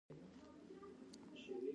ویرات کهولي د هند مشهوره لوبغاړی دئ.